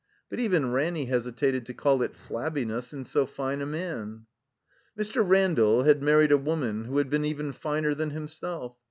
But even Ranny hesitated to call it flabbiness in so fine a man. Mr. Randall had married a woman who had been even finer than himself.